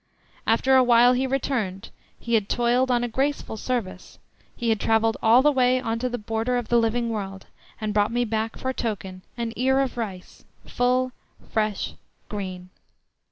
After a while he returned; he had toiled on a graceful service; he had travelled all the way on to the border of the living world, and brought me back for token an ear of rice, full, fresh, and green.